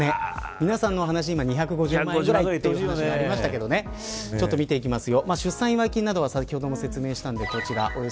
皆さんのお話は２５０万円ぐらいというお話がありましたが見ていきますよ。